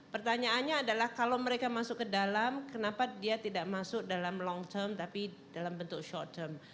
pertanyaannya adalah kalau mereka masuk ke dalam kenapa dia tidak masuk dalam long term tapi dalam bentuk short term